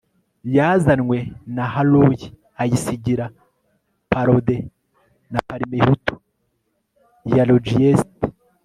yazanywe na harroi ayisigira perraudin na parmehutu ya logiest